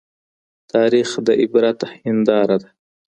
تاريخ د عبرت هنداره ده.